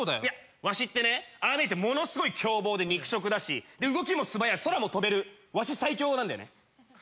いや鷲ってねああ見えてものすごい凶暴で肉食だし動きも素早い空も飛べる鷲最強なんだよね。